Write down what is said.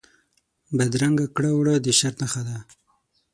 بدرنګه کړه وړه د شر نښه ده